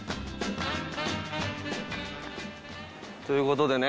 ということでね